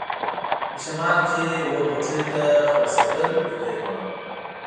په شمال کې وه پټیو ته خلاصېدل، د دې دواړو.